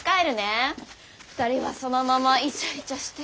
２人はそのままイチャイチャしてて。